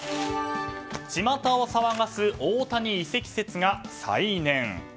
ちまたを騒がす大谷移籍説が再燃。